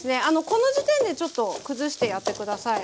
この時点でちょっと崩してやって下さい。